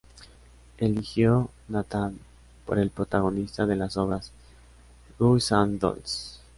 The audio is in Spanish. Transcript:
Eligió "Nathan" por el protagonista de la obra "Guys and Dolls".